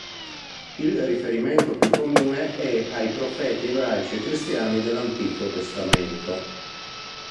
Il riferimento più comune è ai profeti ebraici e cristiani dell'Antico Testamento.